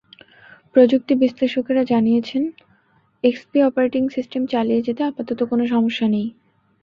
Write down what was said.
প্রযুক্তি বিশ্লেষকেরা জানিয়েছেন, XP operating system চালিয়ে যেতে আপাতত কোনো সমস্যা নেই।